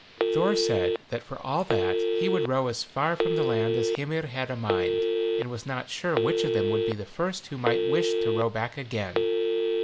Thor said, that for all that, he would row as far from the land as Hymir had a mind, and was not sure which of them would be the first who might wish to row back again.